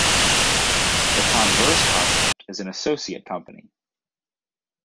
The converse concept is an associate company.